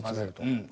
うん。